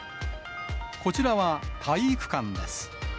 こちらは体育館です。